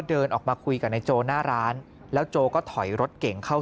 เดินออกมาคุยกับนายโจหน้าร้านแล้วโจก็ถอยรถเก่งเข้า